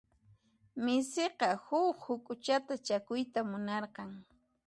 Misiqa huk huk'uchata chakuyta munarqan.